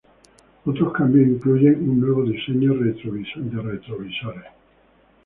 Otros cambios incluyen un nuevo diseño retrovisores.